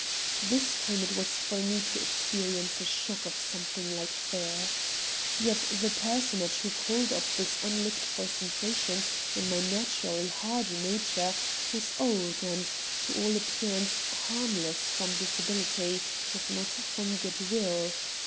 This time it was for me to experience a shock of something like fear. Yet the personage who called up this unlooked for sensation in my naturally hardy nature was old and, to all appearance, harmless from disability, if not from good will.